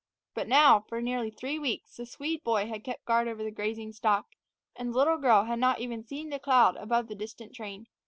But now, for nearly three weeks, the Swede boy had kept guard over the grazing stock, and the little girl had not even seen the cloud above the distant train.